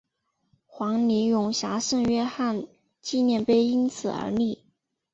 黄泥涌峡圣约翰纪念碑因此而立。